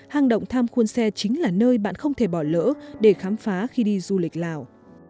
hang động tham khuôn xe chính là nơi bạn không thể bỏ lỡ để khám phá khi đi du lịch lào